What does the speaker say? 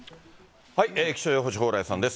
気象予報士、蓬莱さんです。